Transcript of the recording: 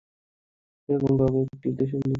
এরকম কাউকে কি আপনারা দেশের নেত্রী হিসেবে চান?